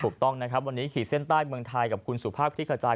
ถูกต้องนะครับวันนี้ขีดเส้นใต้เมืองไทยกับคุณสุภาพคลิกขจาย